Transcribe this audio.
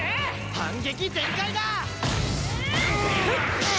反撃全開だ！